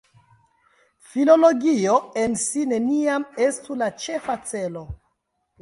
Filologio en si neniam estu la ĉefa celo.